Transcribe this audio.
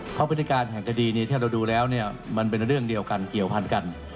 เพราะวิธีการแห่งคดีนี้ที่เราดูแล้วมันเป็นเรื่องเดียวกันเกี่ยวพันกัน